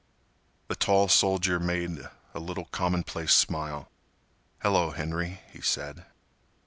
The tall soldier made a little commonplace smile. "Hello, Henry," he said.